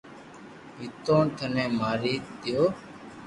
نيتوڻ ٿني ماري دآئو